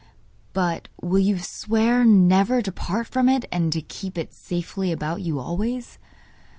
But will you swear never to part from it, and to keep it safely about you always?